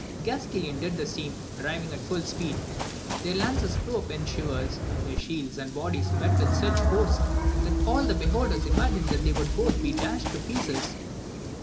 Gasquilan did the same, driving at Ml speed ; their lances flew up in shivers, their shields and bodies met with such force, that all the beholders imagined that they would both be dashed to pieces.